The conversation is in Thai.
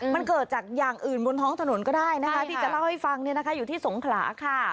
มันเกิดจากอย่างอื่นบนท้องถนนก็ได้นะคะที่จะเล่าให้ฟังอยู่ที่สงขลาค่ะ